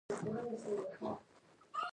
غیرت له پېغور سره نه سازېږي